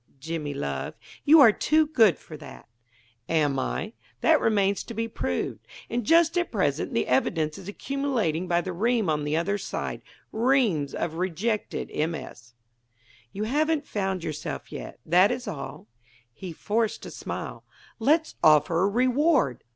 Jimmy, love. You are too good for that." "Am I? That remains to be proved. And just at present the evidence is accumulating by the ream on the other side reams of rejected MS." "You haven't found yourself yet; that is all." He forced a smile. "Let's offer a reward.